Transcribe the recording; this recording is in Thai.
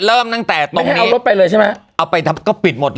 เริ่มตั้งแต่ตรงนี้ไม่ให้เอารถไปเลยใช่ไหมเอาไปก็ปิดหมดเลย